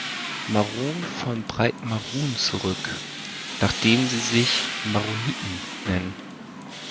Maron von Beit-Marun zurück, nach dem sie sich „Maroniten“ nennen.